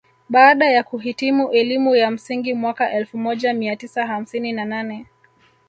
Baada ya kuhitimu elimu ya msingi mwaka elfu moja mia tisa hamsini na nane